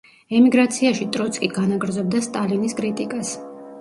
ემიგრაციაში ტროცკი განაგრძობდა სტალინის კრიტიკას.